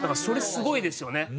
それすごいですよね。